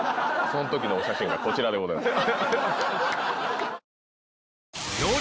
そん時のお写真がこちらでございます。